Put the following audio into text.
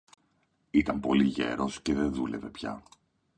Ήταν πολύ γέρος, και δε δούλευε πια